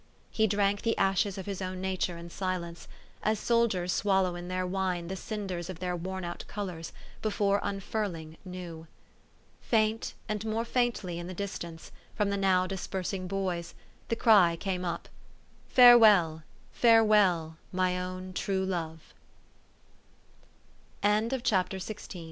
He drank the ashes of his own nature in silence, as soldiers swallow in their wine the cinders of their worn out colors, before unfurling new. Faint and more faintly in the distance, from the now dispersing boj^s, the cry came up, " Farewell